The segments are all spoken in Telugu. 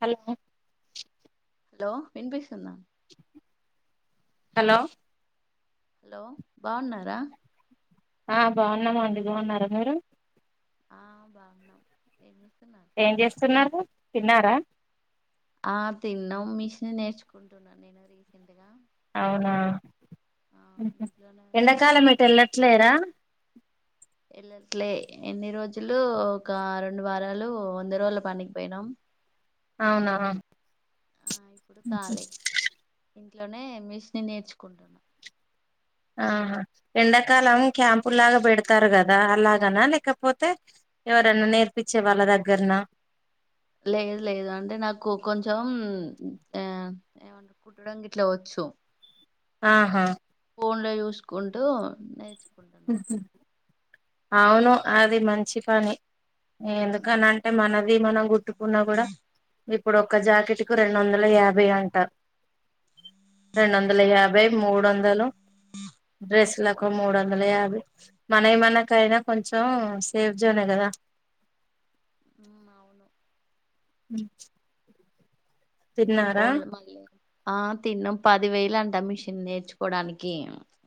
హలో హలో వినిపిస్తుందా హలో హలో బావున్నారా ఆ బాగున్నామండి బాగున్నారా? మీరు ఆ బాగున్నాం ఏం జేస్తూ ఏం జేస్తున్నారు తిన్నారా? ఆ తిన్నము మిషిని నేర్చుకుంటున్నాను. నేను రీసెంట్ గా అవునా ఆ ఇంట్లోనే ఎండాకాలం ఎటు నేర్చుకుంటున్నా ఎళ్ళట్లేరా? ఎల్లట్లే ఇన్ని రోజులు ఒక రెండు వారాలు వంద రోజుల పనికి పోయినాం. అవునా ఉహుం ఆ ఇప్పుడు ఖాళీ ఇంట్లోనే మిష్ని నేర్చుకుంటున్నా ఆహా ఎండాకాలం క్యాంపు లాగా పెడతారు. కదా అలాగనా లేకపోతే ఎవరన్నా నేర్పించే వాళ్ళ దగ్గరన లేదు లేదు అంటే నాకు కొంచెం ఆ ఏమంట కుట్టడం గిట్లా వచ్చు. తో ఆహా ఫోన్ ల యుసుకుంటూ నేర్చు ఉహుం అవును అది మంచి పని ఎందుకని ఆ అంటే మనది ఇది మనం గుట్టుకున్న కూడా ఇప్పుడు ఒక్క జాకెట్ కు రెండు వందల యాభై అంటా. హ రెండు వందల యాభై మూడు వందలు డ్రెస్లకు మూడు వం అదే అదే మనయి మనకైనా కొంచెం సేఫ్ జోనే కదా ఉ అవును. ఉమ్ బొల్లు బాగా ఆ తిన్నం పదివేలు అంటే మిషన్ నేర్చుకోవడానికి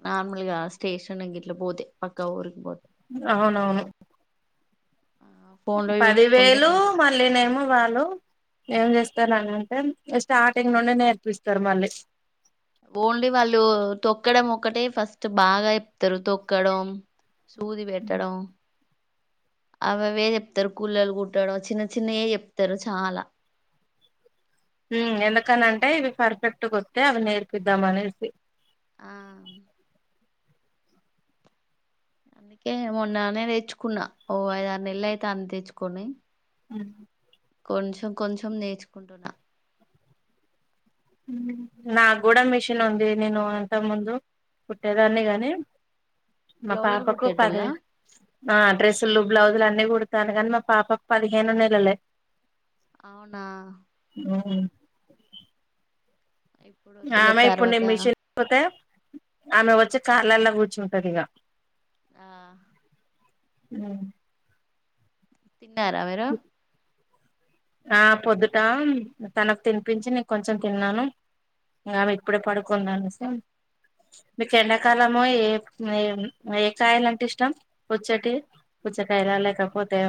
నార్మల్ గా స్టేషన్ గిట్లా పోతే పక్క ఊరికి పోతే అవునవును ఫోన్ లో పది చూసుకుంటే వేలు నేర్చు మళ్ళీనేమో వాళ్ళు ఏం చేస్ చెస్తనని అంటే స్టార్టింగ్ నుండి నేర్పిస్తారు మళ్ళీ ఓన్లీ వాళ్ళు తొక్కడం ఒక్కటే ఫస్ట్ బాగా ఎప్తారు తొక్కడం సూది వేట్టడం అవి అవే చెప్తారు. కూళ్ళలు కుట్టడ చిన్న చిన్నయే చెప్తారు చాలా ఎందుకనంటే ఇవి పర్ఫెక్ట్ వస్తే అవి నేర్పిద్దామ అనేసి ఆ అందుకే మొన్ననే తెచ్చుకున్నా ఓ ఐదు ఆరు నెలలు అయితే అన్న తెచ్చుకొని ఉమ్ కొంచెం కొంచెం నేర్చుకుంటున్నా నా గుడా మిషిన్ ఉంది నేను అంత ముందు కుట్టేదాన్ని గని మా బ్లౌజులు పాపకు కుట్టేటోళ్ళ పదే డ్రెస్లు బ్లౌస్లు అ నేను కుడతాను కానీ మా పాప పదిహేను నెలలే అవునా ఉమ్ ఇప్పుడు వద్దులే చానా ఇప్పుడూ తర్వాత నేను మిషన్ కు పోతే ఆమె వచ్చి కాళ్ళలా కూర్చుంటది ఇగ ఆ ఉమ్ తిన్నారా? మీరు ఆ పొద్దుటా తనకు తినిపించి నెక్ కొంచెం తిన్నాను. ఆమె ఇప్పుడు పడుకునేంది అనేసి ఆ ఎండాకాలము ఏ ఏ కాయలు అంటే ఇష్టం పుచ్చటి పుచ్చకాయల లేకపోతే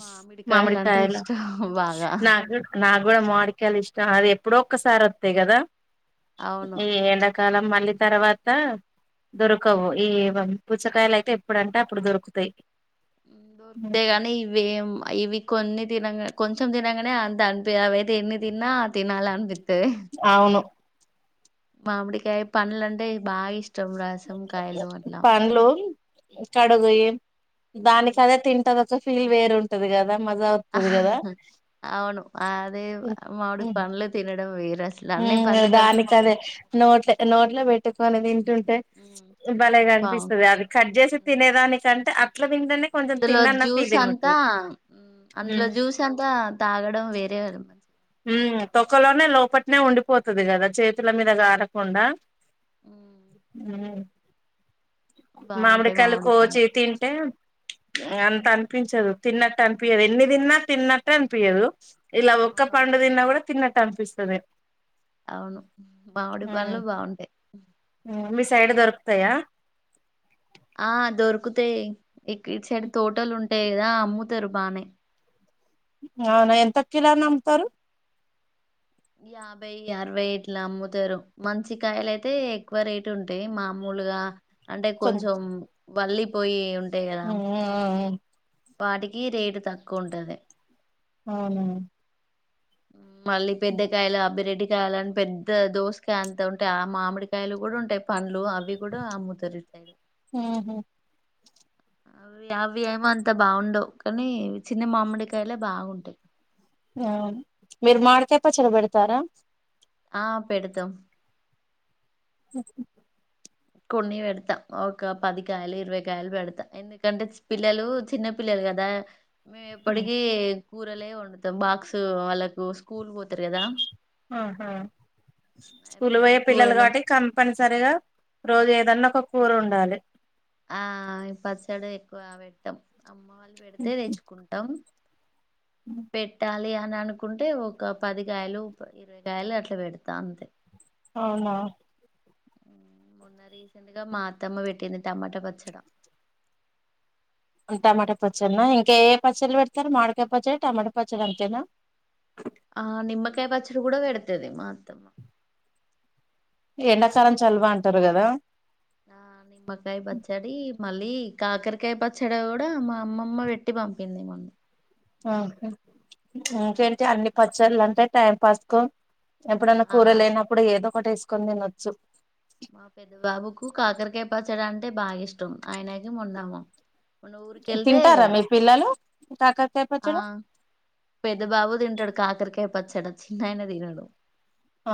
మామిడికాయలు అంటే మామిడికాయలా ఇష్టం బాగా నాగ్ చుట్కూ నాగ్ కూడా మామిడికాయలు ఇష్టం అది ఎప్పుడో ఒక్కసారి అత్తయి కదా అవును ఈ ఎండ కాలం మళ్ళీ తర్వాత దొరకవు ఈ పుచ్చకాయలు అయితే ఎప్పుడంటే అప్పుడు దొరుకుతాయి ఉ దొరుకుతాయి గానీ ఇవేం ఇవి కొన్ని తినంగా కొంచెం తినగానే అంత అనిపియ అవయితే ఎన్ని తిన్నా తినాలి అనిపి అవును మామిడికాయ పన్లంటే బా ఇష్ పండ్లు కడుగు ఏం మ్మ్. దానికదే తింటదో ఫీల్ వేరుంటది కదా మజా వత్తది కదా అవును అదే మామీడి పండ్లు తినడం వేరు అసలు అన్ని ఉమ్ పండ్ల కంటే దానికి మామిడి అదే పండ్లు నోట్ల నోట్లో పెట్టుకునే తింటుం అంటే మ్మ్. భలేగా అనిపిస్తది అది కట్ చేసి బావుం తినేదానికంటే అట్లా తింటేనే కొంచెం అందులో తిన్నన్న జ్యూస్ ఫీలింగ్ అంతా ఉంటది అందులో జ్యూస్ అంతా తాగడం వేరే వాలు మే ఉ తొక్కలోనే లోపట్నే ఉండిపోతది కదా చేతుల మీద కారకుండా మ్ ఉం బాగుంటాయి మామిడికాయలు మామిడి పండ్లు కోచి తింటే అంత అనిపించదు తిన్నట్ట అనిపియదు ఎన్ని తిన్నా తిన్నట్టే అనిపియదు ఇలా ఒక్క అవును పండు తిన్న కూడా తిన్నట్టు అనిపిస్తది అవును మామిడి పండ్లు ఉమ్ బాగుంటాయి మీ సైడ్ దొరుకుతాయా ఆ దొరుకుతాయి ఇక్ ఇటు సైడ్ తోటలు ఉంటాయి కదా అమ్ముతరు బానే అవునా ఎంత కిలాని అమ్ముతారు యాభై అరవై ఇట్లా అమ్ముతారు మంచికాయలు అయితే ఎక్కువ రేటు ఉంటాయి మామూలు ములుగ అంటే కొంచెం వల్లిపోయి ఉం ఉన్నాయి వాటికి రేటు తక్కువ ఉంటది అవును ఉ మళ్ళీ పెద్దకాయలు అబ్బిరెడ్డికాయలు అని పెద్ద దోశకాయ అంతా ఉంటయి ఆ మామిడికాయలు కూడా ఉంటాయి పం లు అవి కూడా అమ్ముతారు ఇటుసైడ్ ఉహు అవి అవి ఏం అంత బాగుండవు కానీ చిన్న మామిడికాయలే బాగుంటాయి అవును మీరు మామిడికాయ పచ్చడ బేడుతారా ఆ పెడుతం అ కొన్ని వేడుత ఒక పదికాయలు ఇరవైకాయలు పెడుతా ఎందుకంటే పిల్లలు చిన్న పిల్లలు కదా మేము ఎప్పటికి కూరలే వండుతం బాక్స్ వాళ్ళకు స్కూల్ పో ఆహా స్కూల్ పోయే ఎప్పటికి పిల్లలు కూరలే కాబట్టి కంపనిసరిగా రోజు ఏదన్న ఒక కూర ఉండాలే ఆ ఈ పచ్చడి ఎక్కువ పెట్టాం అమ్మ వాళ్ళు పెడితే తెచ్చుకుంటాం పెట్టాలి అని అనుకుంటే ఒక పది కాయలు ఇరవై కాయలు అట్లా పెడతా అంతే అవునా మొన్న రీసెంట్ గా మా అత్తమ్మ పెట్టింది టమాటా పచ్చడ టమాటో పచ్చన్న ఇంకా ఏ పచ్చలు పెడతారు మాడికాయ పచ్చడ టమాటా పచ్చడ అంతేనా ఆ నిమ్మకాయ పచ్చడి కూడా పెడతది మా అత్తమ్మా ఎండాకాలం చలవ అంటారు కదా ఆ నిమ్మకాయ్ పచ్చడి మళ్ళీ కాకరకాయ పచ్చడి కూడా మా అమ్మమ్మ పెట్టి పంపింది మొన్న ఆ ఓకే మొన్న ఇంకేంటి అమ్మమ్మ వాళ్ళ అన్ని పచ్చళ్ళ ఉంటాయి టైం పాస్ కు ఎప్పుడన్నా ఆ కూర లేనప్పుడు ఏదో ఒకటి వేసుకొని తినొచ్చు మా పెద్ద బాబుకు కాకరకాయ పచ్చడాంటే బాగా ఇష్టం ఆయనక ఉన్నాము తింటారా మీ పిల్లలు కాకరకాయ ఆ పచ్చడ పెద్ద బాబు తింటాడు కాకరికాయ పచ్చడ చిన్నాయన తినడు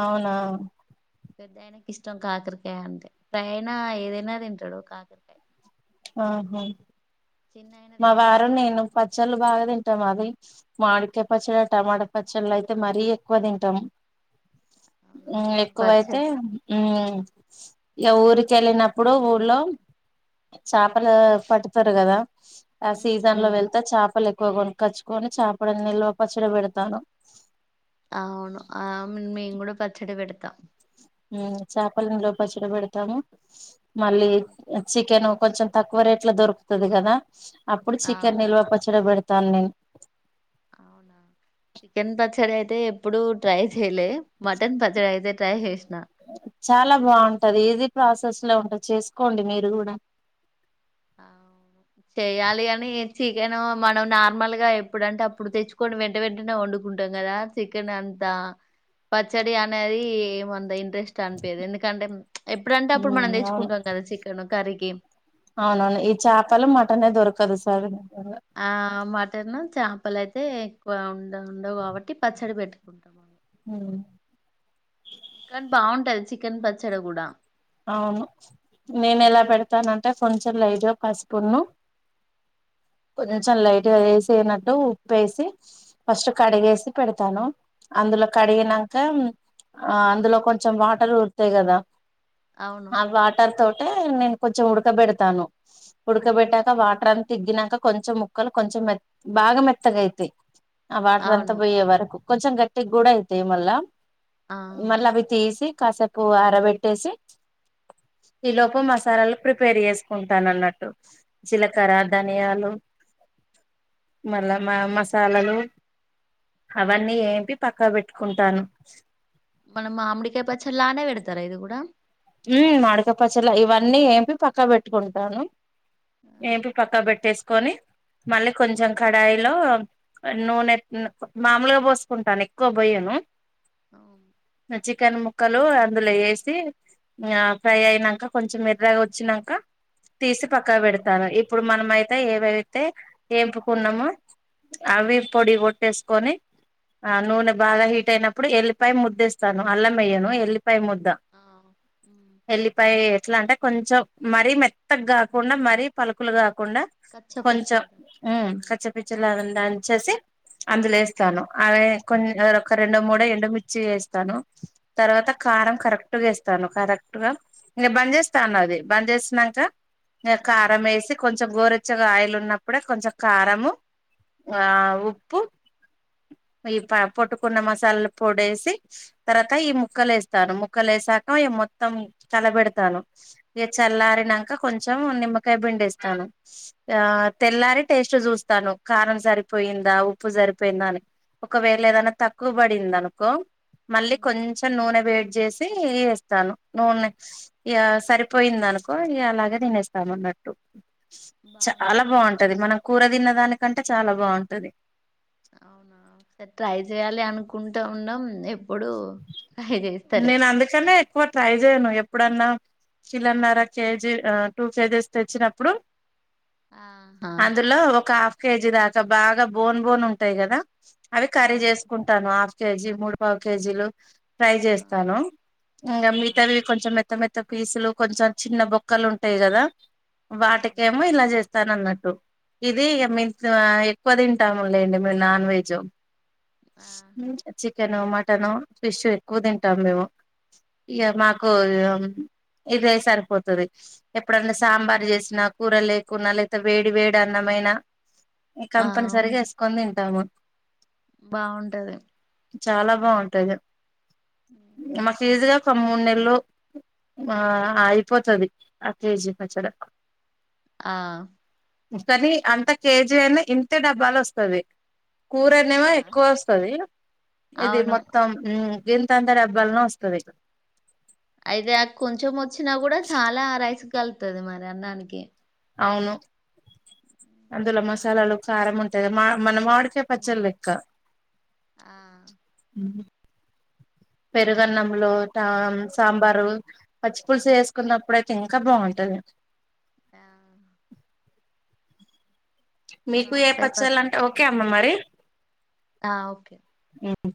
అవునా పెద్ద ఆయనకి ఇష్టం కాకరకాయ అంటే పెద్దాయన ఏదైనా తింటాడు కాకరకాయ ఆహా చిన్న ఆయన మా తినడు వారు నేను కాకరకాయ పచ్చళ్ళు బాగా తింటాం అది మామిడికాయ పచ్చళ టమాటా పచ్చళ్ళ అయితే మరీ ఎక్కువ తింటాం అవును ఉమ్ మేము ఎక్కువైతే పచ్చడి ఉమ్ ఇక ఊరికెళ్ళినప్పుడు ఊళ్ళో చాపలు పడుతారు కదా ఆ సీజన్ లో ఉమ్ వెళ్తే చాపలు ఎ కొ కొనక్కొచ్చుకొని చేపాలన్నీ నిల్వ పచ్చడి పెడతాను అవును ఆ మేము కూడా పచ్చడి పెడతాం ఉమ్ చేపలన్నీ నిల్వ పచ్చడి పెడతాము మళ్ళీ చికెన్ కొంచెం తక్కువ రేట్ల దొరుకుతది కదా అప్పుడు ఆ చికెన్ నిల్వ పచ్చడి పెడు తాను నేను అవునా చికెన్ పచ్చడి అయితే ఎప్పుడు ట్రై చేయలే మటన్ పచ్చడి అయితే ట్రై చేసి చాలా బాగుంటది ఈజీ ప్రాసెస్ లో ఉంటది చేసుకోండి మీరు కూడా అ చేయాలి గానీ చికెన్ మనం నార్మల్గా ఎప్పుడు అంటే అప్పుడు తెచ్చుకొని వెంట వెంటనే వండుకుంటాం కదా చికెన్ అం తా పచ్చడి అనేది ఏమో అంత ఇంట్రెస్ట్ అనిపియ్యదు ఎందుకంటే ఎప్పుడంటే అప్పుడు మనం ఉమ్ అవును తెచ్చుకుంటాం కదా చికెన్ కర్రీకి అవునవును ఈ చేపలు మటనే దొరకదు సార్ ఆ మటన్ చేపలయితే ఎక్కువ ఉండ ఉండవు కాబట్టి పచ్చడి పెట్టుకుంటా కానీ బాగుంటది చికెన్ పచ్చడి కూడా అవును నేను ఎలా పెడతానంటే కొంచెం లైట్ గా పసుపును కొంచెం లైట్గా వేసేనట్టు ఉప్పేసి ఫస్ట్ కడిగేసి పెడతాను అందులో ఆ, కడిగినంక ఆ అందులో కొంచెం వాటర్ ఊరతాయి కదా అవును ఆ వాటర్ తోటే నేను కొంచెం ఉడకబెడతాను ఉడకబెట్టాక వాటర్ అని తగ్గినాక కొంచెం ముక్కలు కొంచెం మె బాగా మెత్తగైతాయి ఆ వాటర్ అంతా అవును పోయే వరకు కొంచెం గట్టికి కూడా అయితాయి మళ్ళా ఆ మళ్ళ అవి తీసి కాసేపు ఆరబెట్టేసి ఈ లోపు మసాలాలు ప్రిపేర్ చేసుకుంటాన అన్నట్టు జీలకర్ర ఉమ్, ధనియాలు మళ్ళ మ ఉమ్. మసాలలు అవన్నీ ఏంపి పక్కన పెట్టుకుంటాను తారా ఇది కూడా ఉమ్ మాడక పసలా ఇవన్నీ ఏంపి పక్క పెట్టుకుంటాను ఆ ఏంపి పక్కా పెట్టేసుకొని మళ్ళీ కొంచెం కడాయిలో నూనె మామూలుగా పోసుకుంటాను ఎక్కువ బొయ్యను అవును చికెన్ ముక్కలు అందులో వేసి ఇంగ ఫ్రై అయినాక కొంచెం ఎర్రగా వచ్చినాక తీసి పక్కా పెడతాను ఇప్పుడు మనమయితే ఏవైతే ఏంపుకున్నామో అవి పొడి కొట్టేసుకొని ఆ నూనె బాగా హీట్ అయినప్పుడు ఎల్లిపాయ ముద్దేస్తాను అల్లంవేయ్యను ఎల్లిపా ముద్ద ఆ ఉమ్. ఎల్లిపాయ ఎట్లా అంటే కొంచెం మరీ మెత్తగా కాకుండా మరీ పలుకులు కాకు కుండా కచ్చ కొంచెం పెచ్చద్దా పచ్చి పచ్చిలాగా దంచి ఏసీ అందులో వేస్తాను అవి కొ ఒక రెండో మూడ ఎడుమిర్చి వేస్తాను తర్వాత తత కారం కరెక్ట్గాస్తాను కరెక్ట్ గా ఇంక బంద్ చేస్తాను అది బంద్ చేసినాక ఆ కారం వేసి కొంచెం గోరె కొచ్చగా ఆయిల్ ఉన్నప్పుడే కొంచెం కారంము ఆ ఉప్పు ఈ పొట్టుకున్న మసాలాలు పొడేసి తర్వాత ఈ ముక్కలు వేస్తాను ముక్కలు వేసాక అయ మొత్తం కలబెడతాను ఇ చల్లారినక కొంచెం నిమ్మకాయ బిండేస్తాను ఆ తెల్లారి టేస్ట్ చూస్తాను కారం సరిపోయిందా ఉప్పు సరిపోయిందా అని ఒకవేళ ఏదైనా తక్కువబడింది అనుకో మళ్ళీ కొంచెం నూనె వేడి చేసి ఇస్తాను నువ్ సరిపోయింది అనుకో ఇ అలాగే తెనిస్తాను అన్నట్టు చాలా బాగుంటాయి కావచ్చు బాగుంటది మనం కూర తిన్న దానికంటే చాలా బాగుంటది అవునా సరే ట్రై చేయాలి అనుకుంటా ఉన్నాం ఇప్పుడు ట్రై చేస్తాలే నేను అందుకనే ఎక్కువ ట్రై చేయను ఎప్పుడన్నా కిలన్నర కేజీ టూ కేజీస్ తెచ్చినప్పుడు ఆహా అందులో ఒక హాఫ్ కేజీ దాకా బాగా బోన్ బోన్ ఉంటాయి కదా అవి కర్రీ అవును చేసుకుంటాను హాఫ్ కేజీ మూడు పావు కేజీలు ఫ్రై ఆ చేస్తాను ఇంకా ఆ మితావి కొంచెం మెత్త మత్త త్త పీసులు కొంచెం చిన్న బొక్కలు ఉంటాయి కదా హ్మ్. వాటికేమో ఇలా చేస్త స్తాను అన్నట్టు ఇది మీ ఎక్కువ తింటాము లేండి మీ నాన్ వెజ్ ఆహా చికెను మ టను ఫిష్ ఎక్కువ తింటాం మేము ఇక మాకు ఇద సరిపోతుది ఎప్పుడైన్నా సాంబార్ హ్మ్. చేసినా కూర లేకున్నా లేపోతే వేడి వేడి అన్నమైన ఈ ఆ కంపెనీ సరిగా వేసుకొని తింటాము బాగుంటది చాలా బాగుంటాయి మాకు ఈజీగా ఒక మూడు నెలలు ఆ అయిపోతుది ఆ కేజీ పచ్చడ ఆ కానీ అంత కేజీ అయినా ఇంతే డబ్బాలు వస్తది కూర అనేవా ఆ ఎక్కువ వస్తది ఇది అవును మొత్తం గీంత అంతా డబ్బాలనే వస్తుంది ఇక్కడ అయితే అ కొంచెం వచ్చినా కూడా చాలా రైసు కలుతుది మరి అన్నానికి అవును హ్మ్. అందులో మసాలాలు బాగుంటాయి కారం పచ్చడి ఉంటాయి కదా మా మన మావిడికయ పచ్చళ హ్మ్. లెక్క ఆ ఉ పెరుగన్నంలో సాంబారు పచ్చిపుులుసు వేసుకున్నప్పుడు అయితే ఇంకా బాగుంటది ఆ మీకు ఏ బాగుంటాయి పచ్చాలంటే పచ్చడి ఓకే అమ్మ మరి ఆ ఓకే ఉమ్